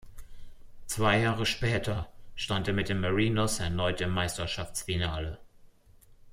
Zwei Jahre später stand er mit den Mariners erneut im Meisterschaftsfinale.